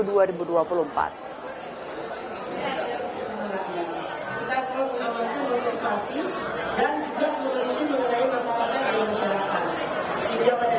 kedua guru jadi dua guru ini melurahkan masalah dalam masyarakat